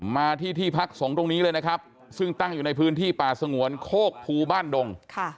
มาที่ที่พักสงฆ์ตรงนี้เลยนะครับซึ่งตั้งอยู่ในพื้นที่ป่าสงวนโคกภูบ้านดง